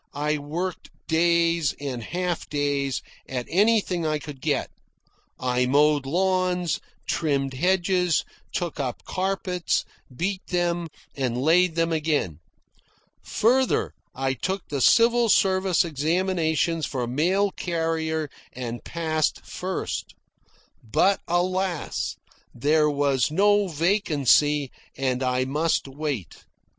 I worked days, and half days, at anything I could get. I mowed lawns, trimmed hedges, took up carpets, beat them, and laid them again. Further, I took the civil service examinations for mail carrier and passed first. But alas! there was no vacancy, and I must wait.